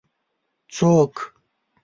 څوک